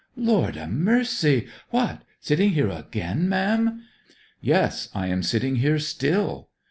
'Lord a mercy! What, sitting here again, ma'am?' 'Yes, I am sitting here still.'